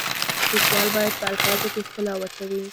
لیکوال باید په الفاظو کې ښکلا واچوي.